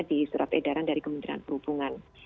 di surat edaran dari kementerian perhubungan